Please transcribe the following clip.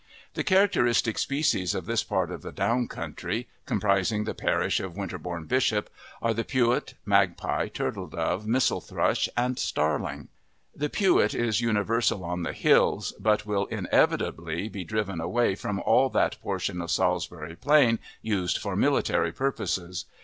The characteristic species of this part of the down country, comprising the parish of Winterbourne Bishop, are the pewit, magpie, turtledove, mistle thrush, and starling. The pewit is universal on the hills, but will inevitably be driven away from all that portion of Salisbury Plain used for military purposes.